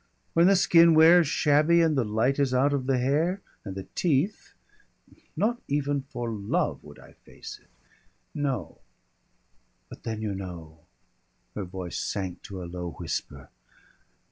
When the skin wears shabby, and the light is out of the hair, and the teeth Not even for love would I face it. No.... But then you know " Her voice sank to a low whisper.